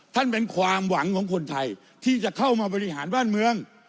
เป็นความหวังของคนไทยที่จะเข้ามาบริหารบ้านเมือง